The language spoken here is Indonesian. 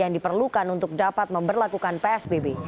diperlukan untuk dapat memberlakukan psbb